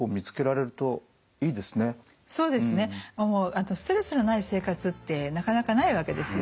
あとストレスのない生活ってなかなかないわけですよね。